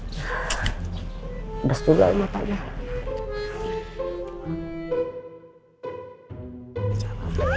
bes juga mata dia